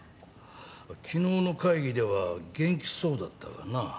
昨日の会議では元気そうだったがな。